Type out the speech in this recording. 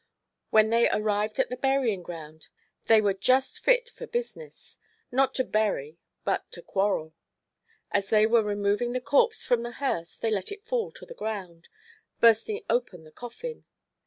When they arrived at the burying ground they were just fit for business—not to bury, but to quarrel. As they were removing the corpse from the hearse they let it fall to the ground, bursting open the coffin.